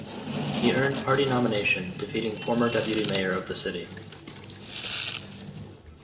He earned party nomination defeating former deputy mayor of the city.